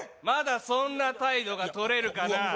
まだそんな態度が取れるかな？